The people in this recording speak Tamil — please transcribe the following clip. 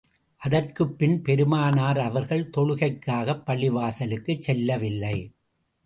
அதற்குப்பின் பெருமானார் அவர்கள் தொழுகைக்காகப் பள்ளிவாசலுக்குச் செல்லவில்லை.